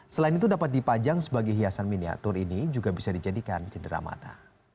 selain itu dapat dipajang sebagai hiasan miniatur ini juga bisa dijadikan cenderamata